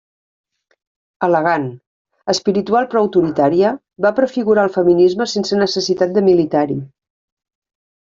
Elegant, espiritual però autoritària, va prefigurar el feminisme sense necessitat de militar-hi.